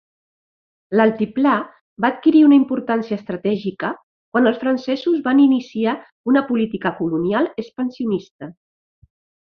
L'altiplà va adquirir una importància estratègica quan els francesos van iniciar una política colonial expansionista.